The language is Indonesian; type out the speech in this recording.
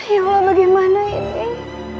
ya allah bagaimana ini